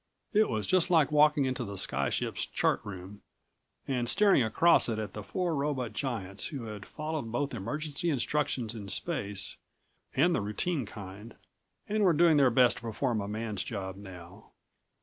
It was just like walking into the sky ship's chart room and staring across it at the four robot giants who had followed both emergency instructions in space and the routine kind and were doing their best to perform a man's job now.